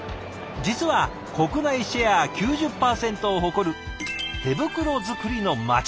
実は国内シェア９０％を誇る手袋作りの町。